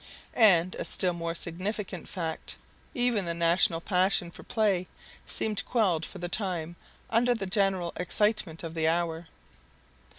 And, a still more significant fact, even the national passion for play seemed quelled for the time under the general excitement of the hour.